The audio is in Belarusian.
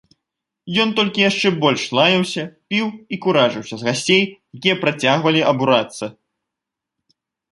Ён толькі яшчэ больш лаяўся, піў і куражыўся з гасцей, якія працягвалі абурацца.